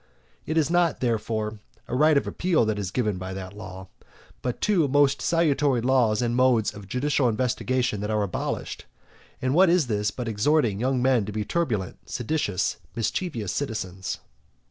It is not, therefore, a right of appeal that is given by that law, but two most salutary laws and modes of judicial investigation that are abolished. And what is this but exhorting young men to be turbulent, seditious, mischievous citizens?